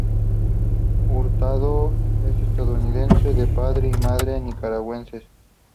Hurtado es Estadounidense de padre y madre Nicaragüenses.